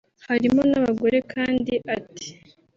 harimo n’abagore kandi ati